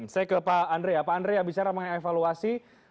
saya ke pak andrea pak andrea bicara mengenai evaluasi